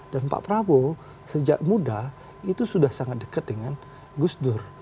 dan pak prabowo sejak muda itu sudah sangat dekat dengan gusdur